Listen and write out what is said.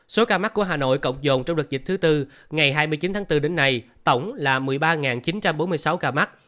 số ca mắc của hà nội cộng dồn trong đợt dịch thứ tư ngày hai mươi chín tháng bốn đến nay tổng là một mươi ba chín trăm bốn mươi sáu ca mắc